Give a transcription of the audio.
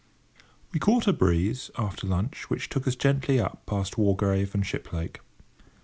We caught a breeze, after lunch, which took us gently up past Wargrave and Shiplake.